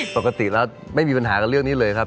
ปกติแล้วไม่มีปัญหากับเรื่องนี้เลยครับ